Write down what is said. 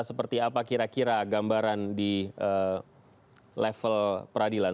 seperti apa kira kira gambaran di level peradilan